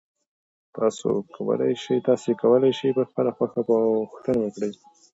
تاسي کولای شئ په خپله خوښه پوښتنه وکړئ.